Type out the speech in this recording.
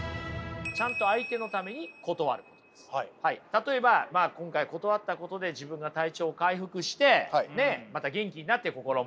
例えば今回断ったことで自分が体調を回復してまた元気になって心も。